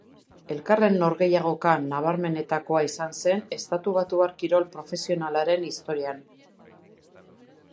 Elkarren norgehiagoka nabarmenetakoa izan zen estatubatuar kirol profesionalaren historian.